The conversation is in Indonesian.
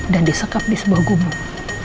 dan disekap di sebuah gubung